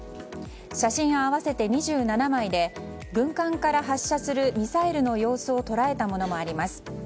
写真は合わせて２７枚で軍艦から発射するミサイルの様子を捉えたものもあります。